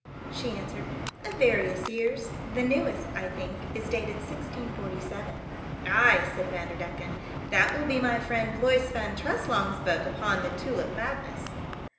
She answered, "Of various years; the newest, I think, is dated 1647." "Ay," said Vanderdecken, "that will be my friend Bloys Van Treslong's book upon the tulip madness."